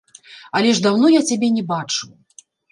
Але ж даўно я цябе не бачыў.